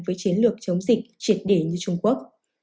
với chiến lược chống dịch triệt đề như trung quốc